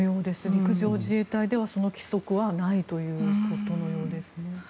陸上自衛隊ではその規則はないということのようですね。